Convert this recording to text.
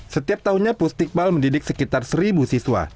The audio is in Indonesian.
setiap tahunnya pusat tignal mendidik sekitar seribu siswa